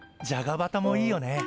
じゃがバタもいいよね。